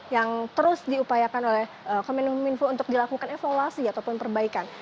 yang terus diupayakan oleh kominfo untuk dilakukan evaluasi ataupun perbaikan